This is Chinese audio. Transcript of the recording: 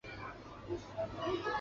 棉毛黄耆是豆科黄芪属的植物。